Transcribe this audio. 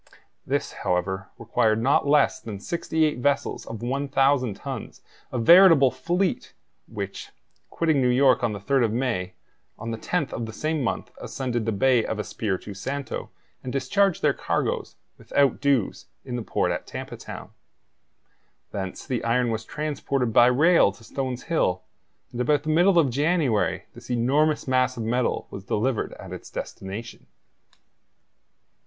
This, however, required not less than sixty eight vessels of 1,000 tons, a veritable fleet, which, quitting New York on the 3rd of May, on the 10th of the same month ascended the Bay of Espiritu Santo, and discharged their cargoes, without dues, in the port at Tampa Town. Thence the iron was transported by rail to Stones Hill, and about the middle of January this enormous mass of metal was delivered at its destination.